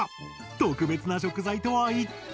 特別な食材とは一体？